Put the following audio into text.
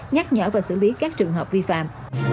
nhắc nhở và xử lý các trường hợp vi phạm